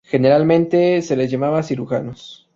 Generalmente se les llamaba cirujanos.